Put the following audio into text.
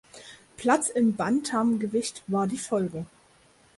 Platz im Bantamgewicht war die Folge.